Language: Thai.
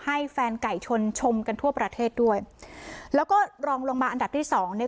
ให้แฟนไก่ชนชมกันทั่วประเทศด้วยแล้วก็รองลงมาอันดับที่สองเนี่ย